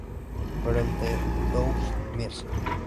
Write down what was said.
Pero en "The Two Mrs.